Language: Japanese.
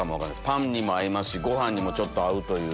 パンにも合いますしご飯にもちょっと合うという。